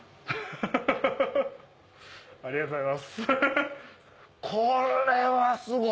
ありがとうございます。